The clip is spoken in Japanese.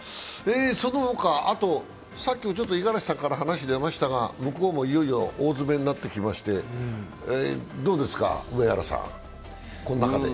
さっきも五十嵐さんから話が出ましたが向こうもいよいよ大詰めになってきまして、どうですか、上原さん、この中で？